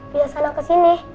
biasa anak kesini